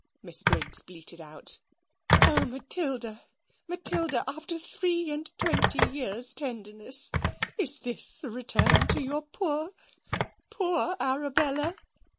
Miss Briggs bleated out. "Oh, Matilda, Matilda, after three and twenty years' tenderness! is this the return to your poor, poor Arabella?"